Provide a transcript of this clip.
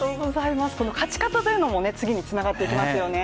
この勝ち方というのも次につながっていきますよね。